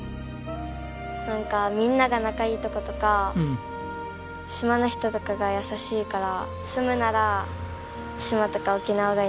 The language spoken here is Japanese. なんかみんなが仲いいとことか島の人とかが優しいから住むなら島とか沖縄がいいなって感じです。